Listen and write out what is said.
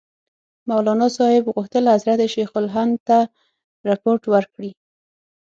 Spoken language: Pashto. مولناصاحب غوښتل حضرت شیخ الهند ته رپوټ ورکړي.